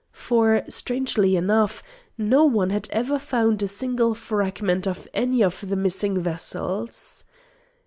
For, strangely enough, no one had ever found a single fragment of any of the missing vessels.